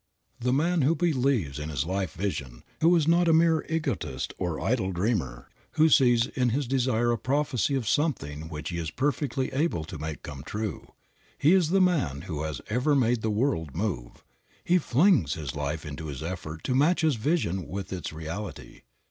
The man who believes in his life vision, who is not a mere egotist or idle dreamer, who sees in his desire a prophecy of something which he is perfectly able to make come true, he is the man who has ever made the world move. He flings his life into his effort to match his vision with its reality.